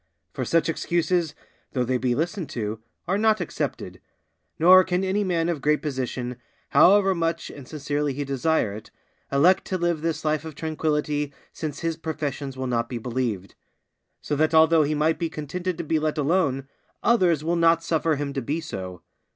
For such excuses, though they be listened to, are not accepted; nor can any man of great position, however much and sincerely he desire it, elect to live this life of tranquillity since his professions will not be believed; so that although he might be contented to be let alone, others will not suffer him to be so.